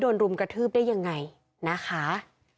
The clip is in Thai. รุมกระทืบได้ยังไงนะคะ